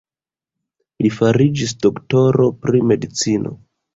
Li fariĝis doktoro pri medicino.